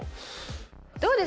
どうです？